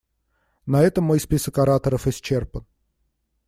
На этом мой список ораторов исчерпан.